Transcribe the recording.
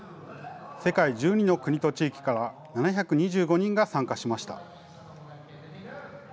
世界１２の国と地域から、７２５人が参加しました。